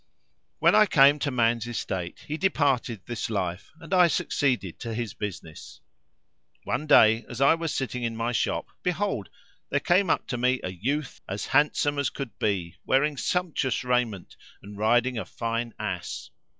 When I came to man's estate he departed this life and I succeeded to his business. One day, as I was sitting in my shop, behold, there came up to me a youth as handsome as could be, wearing sumptuous raiment and riding a fine ass.